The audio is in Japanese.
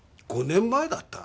５年前だった？